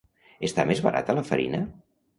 Està més barata la farina?